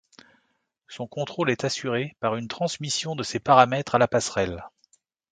Son contrôle est assuré par une transmission de ses paramètres à la passerelle.